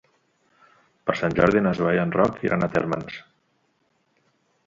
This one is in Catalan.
Per Sant Jordi na Zoè i en Roc iran a Térmens.